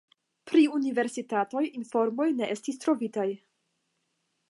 Pri universitatoj informoj ne estis trovitaj.